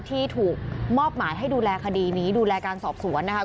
ที่ถูกมอบหมายให้ดูแลคดีนี้ดูแลการสอบสวนนะคะ